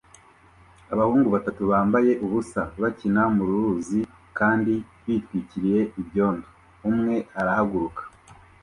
Abahungu batatu bambaye ubusa bakina mu ruzi kandi bitwikiriye ibyondo; umwe arahaguruka